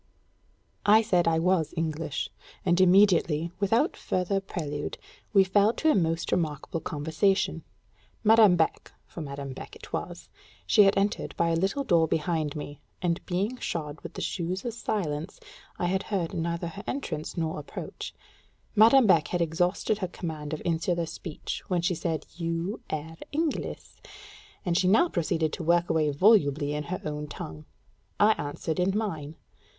I said I was English, and immediately, without further prelude, we fell to a most remarkable conversation. Madame Beck (for Madame Beck it was; she had entered by a little door behind me, and being shod with the shoes of silence, I had heard neither her entrance nor approach) Madame Beck had exhausted her command of insular speech when she said "You ayre Engliss," and she now proceeded to work away volubly in her own tongue. I answered in mine.